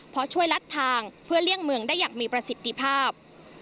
เพราะช่วยลัดทางเพื่อเลี่ยงเมืองได้อย่างมีประสิทธิภาพ